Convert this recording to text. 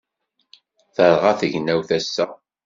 Terɣa tegnawt ass-a.